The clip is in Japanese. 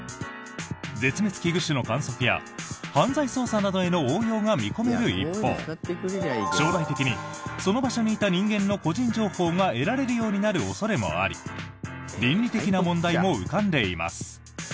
絶滅危惧種の観測や犯罪捜査などへの応用が見込める一方将来的にその場所にいた人間の個人情報が得られるようになる恐れもあり倫理的な問題も浮かんでいます。